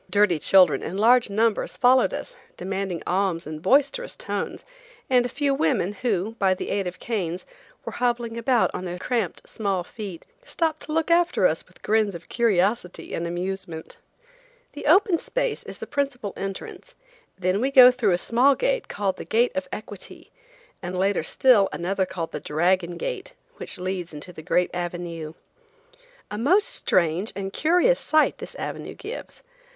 Dirty children in large numbers followed us, demanding alms in boisterous tones, and a few women who, by the aid of canes, were hobbling about on their cramped small feet, stopped to look after us with grins of curiosity and amusement. The open space is the principal entrance, then we go through a small gate called the gate of Equity, and later still another called the Dragon gate, which leads into the great avenue. A most strange and curious sight this avenue gives.